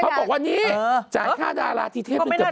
เขาบอกว่านี้จ่ายค่าดาราที่เทพนึงจะเปล่า